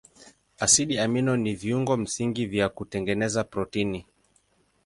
Asidi amino ni viungo msingi vya kutengeneza protini.